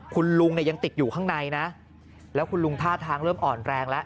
คุณลุงเนี่ยยังติดอยู่ข้างในนะแล้วคุณลุงท่าทางเริ่มอ่อนแรงแล้ว